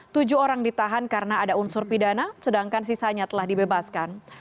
tujuh orang ditahan karena ada unsur pidana sedangkan sisanya telah dibebaskan